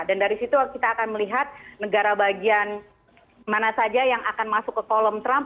dan dari situ kita akan melihat negara bagian mana saja yang akan masuk ke kolom trump